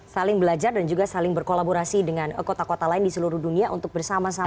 saling belajar dan juga saling berkolaborasi dengan kota kota lain di seluruh dunia untuk bersama sama